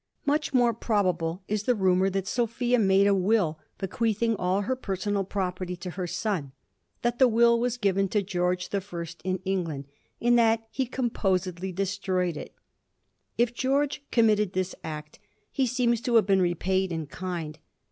Much more probable is the rumour that Sophia made a will bequeathing all her personal property to her son, that the will was given to George the First in England, and that he composedly destroyed it. K Greorge committed this act, he seems to have been repaid in kind.